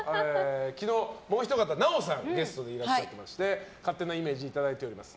昨日、もう一方、奈緒さんがゲストでいらっしゃっていまして勝手なイメージをいただいております。